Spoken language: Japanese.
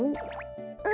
うん。